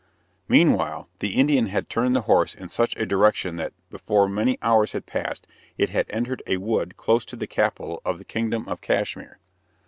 Meanwhile the Indian had turned the horse in such a direction that, before many hours had passed, it had entered a wood close to the capital of the kingdom of Cashmere.